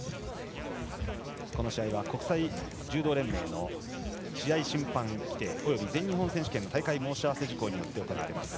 この試合は国際柔道連盟の試合審判規定および全日本選手権の大会申し合わせ事項によって行われます。